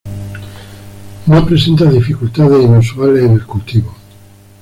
No presenta dificultades inusuales en el cultivo.